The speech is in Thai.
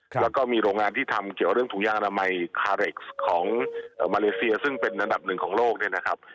แล้วก็มีโรงงานที่ทำเกี่ยวเรื่องถุงยางอนามัยคาเร็กซ์ของมาเลเซียซึ่งเป็นอันดับหนึ่งของโลกเนี่ยนะครับ